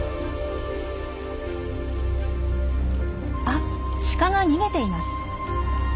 あシカが逃げています。